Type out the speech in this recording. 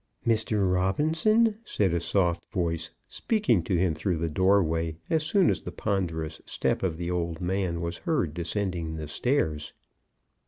"Mr. Robinson," said a soft voice, speaking to him through the doorway, as soon as the ponderous step of the old man was heard descending the stairs.